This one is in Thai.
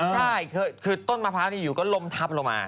ใช่คือต้นมะพร้าวอยู่ก็ลมทับลงมา